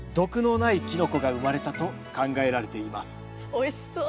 おいしそう。